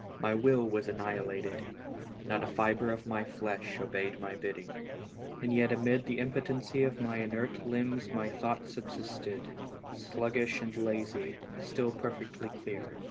My will was annihilated, not a fibre of my flesh obeyed my bidding. And yet amid the impo tency of m\^ inert limbs my thoughts subsisted, sluggish and lazy, still perfectly clear.